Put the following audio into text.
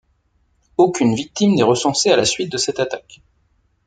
Aucune victime n'est recensée à la suite de cette attaque.